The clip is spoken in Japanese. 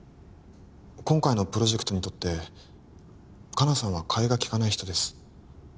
今回のプロジェクトにとって香菜さんはかえがきかない人です